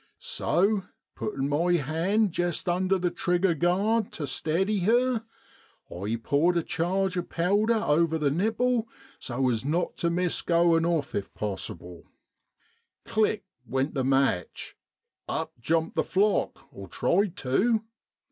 So puttin' rny hand jest under the trigger guard tu steady her, I poured a charge of powder over the nipple so as not tu miss goin' ofi if possible. Click ! went the match, up jumped the flock, or tried tu.